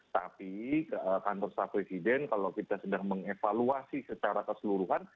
tapi kantor staf presiden kalau kita sedang mengevaluasi secara keseluruhan